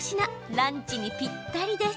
ランチにぴったりです。